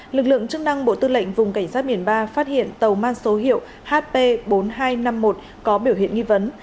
lực lượng chức năng bộ tư lệnh vùng cảnh sát biển ba phát hiện tàu mang số hiệu hp bốn nghìn hai trăm năm mươi một có biểu hiện nghi vấn